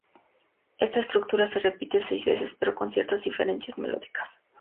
Esta estructura se repite seis veces, pero con ciertas diferencias melódicas.